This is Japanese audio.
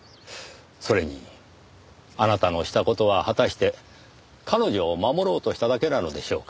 それにあなたのした事は果たして彼女を守ろうとしただけなのでしょうか？